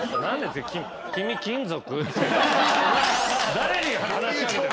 誰に話し掛けてる？